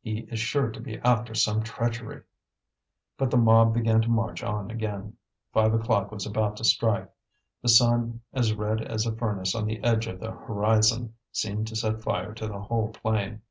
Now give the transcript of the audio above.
He is sure to be after some treachery." But the mob began to march on again. Five o'clock was about to strike. The sun, as red as a furnace on the edge of the horizon, seemed to set fire to the whole plain.